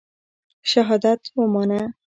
شهادت ومنه.